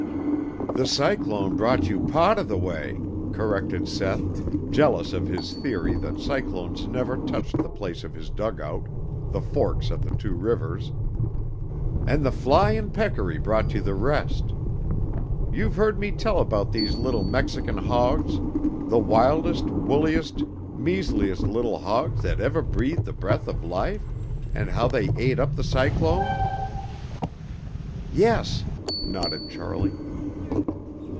"The cyclone brought you paht of the way," corrected Seth, jealous of his theory that cyclones never touched the place of his dugout, the forks of the two rivers, "and the flyin' peccary brought you the rest. You've heard me tell about these little Mexican hawgs, the wildest, woolliest, measliest little hawgs that evah breathed the breath of life and how they ate up the cyclone?" "Yes," nodded Charlie.